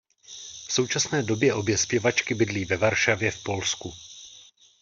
V současné době obě zpěvačky bydlí ve Varšavě v Polsku.